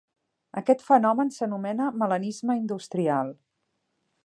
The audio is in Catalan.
Aquest fenomen s'anomena melanisme industrial.